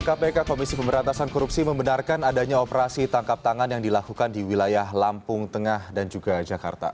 kpk komisi pemberantasan korupsi membenarkan adanya operasi tangkap tangan yang dilakukan di wilayah lampung tengah dan juga jakarta